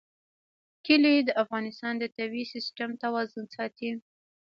کلي د افغانستان د طبعي سیسټم توازن ساتي.